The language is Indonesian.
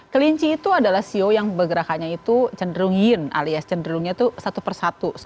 kelinci itu adalah ceo yang bergerakannya itu cenderung yin alias cenderungnya tuh satu persatu